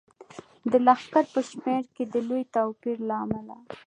د لښکر په شمیر کې د لوی توپیر له امله.